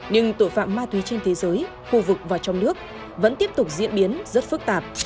nhưng tội phạm ma túy trên thế giới khu vực và trong nước vẫn tiếp tục diễn biến rất phức tạp